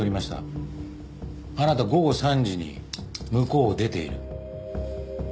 あなた午後３時に向こうを出ている。